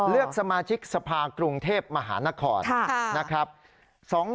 เลือกสมาชิกสภาคกรุงเทพมนาคอล